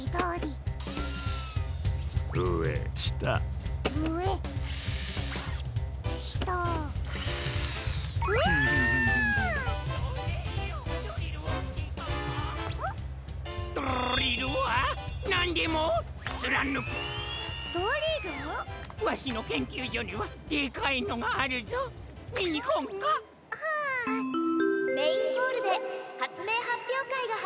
「メインホールではつめいはっぴょうかいがはじまります」。